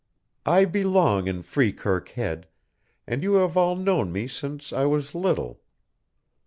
"I belong in Freekirk Head, and you have all known me since I was little.